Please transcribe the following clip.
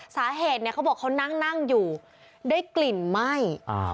สาเหตุเนี่ยเขาบอกเขานั่งนั่งอยู่ได้กลิ่นไหม้